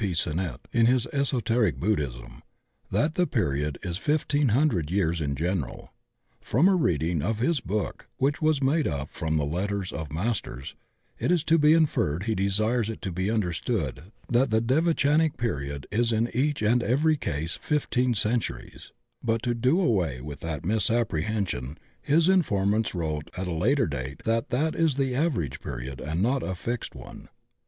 P. Sin nett in his Esoteric Buddhism, that tiie period is fif teen hundred years in general. From a reading of his book, which was made up from letters from the Mas ters, it is to be inferred he desires it to be understood that the devachanic period is in each and every case fifteen centuries; but to do away with that misappre hension his informants wrote at a later date that that is the average period and not a fixed one.